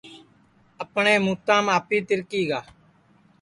اپٹؔیں موتام آپی تِرکی گا